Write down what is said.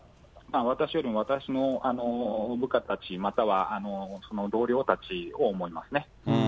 私よりも、私の部下たち、または同僚たちは、思いますね。